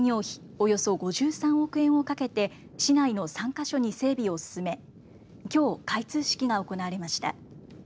およそ５３億円をかけて市内の３か所に整備を進めきょう開通式が行われました。